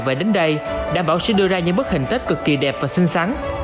và đến đây đảm bảo sẽ đưa ra những bức hình tết cực kỳ đẹp và xinh xắn